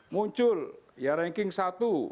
muncul ya ranking satu